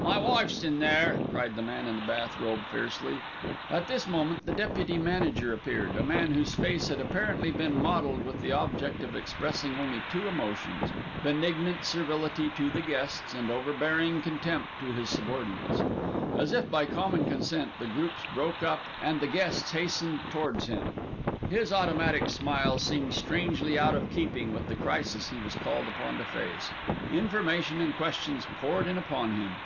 "My wife's in there," cried the man in the bath robe fiercely. At this moment the deputy manager appeared, a man whose face had apparently been modelled with the object of expressing only two emotions, benignant servility to the guests and overbearing contempt to his subordinates. As if by common consent, the groups broke up and the guests hastened towards him. His automatic smile seemed strangely out of keeping with the crisis he was called upon to face. Information and questions poured in upon him.